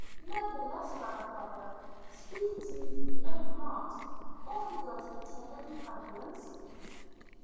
Nevertheless, grandfather, speaking to me from your own heart, ought the girl to betray her companions?"